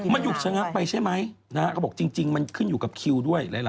มันหยุดฉะนั้นไปใช่ไหมจริงมันขึ้นอยู่กับคิวด้วย